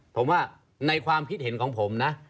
ผมว่าในความคิดเห็นของผมนะ